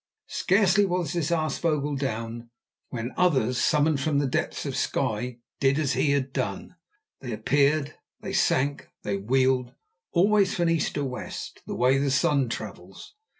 Scarcely was this aasvogel down, when others, summoned from the depths of sky, did as he had done. They appeared, they sank, they wheeled, always from east to west, the way the sun travels.